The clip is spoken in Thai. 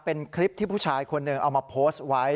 เป็นคลิปที่ผู้ชายคนหนึ่งเอามาโพสต์ไว้